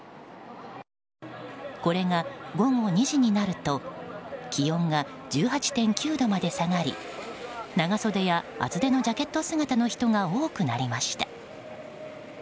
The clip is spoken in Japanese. これが、午後２時になると気温が１８．９度まで下がり長袖や厚手のジャケット姿の人が多くなりました。